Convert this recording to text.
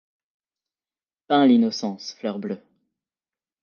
Peint l’innocence, fleur bleue.